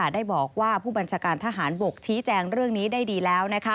ได้บอกว่าผู้บัญชาการทหารบกชี้แจงเรื่องนี้ได้ดีแล้ว